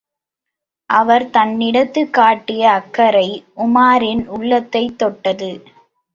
அவர் தன்னிடத்துக் காட்டிய அக்கறை, உமாரின் உள்ளத்தைத் தொட்டது.